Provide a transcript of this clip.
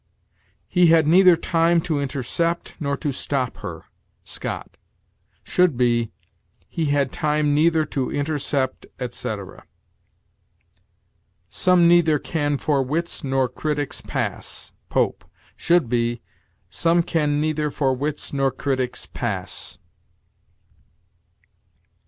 "He had neither time to intercept nor to stop her" (Scott), should be, "He had time neither to intercept," etc. "Some neither can for wits nor critics pass" (Pope), should be, "Some can neither for wits nor critics pass."